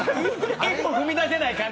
一歩踏み出せない感じ